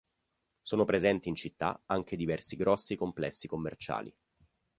Sono presenti in città anche diversi grossi complessi commerciali.